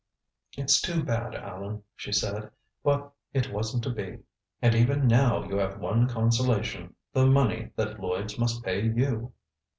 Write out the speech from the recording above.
"It's too bad, Allan," she said. "But it wasn't to be. And, even now, you have one consolation the money that Lloyds must pay you."